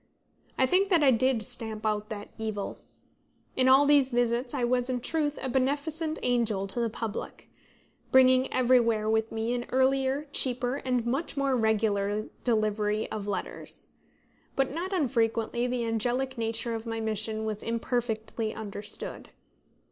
I think that I did stamp out that evil. In all these visits I was, in truth, a beneficent angel to the public, bringing everywhere with me an earlier, cheaper, and much more regular delivery of letters. But not unfrequently the angelic nature of my mission was imperfectly understood.